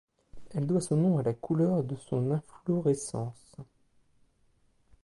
Elle doit son nom à la couleur de son inflorescence.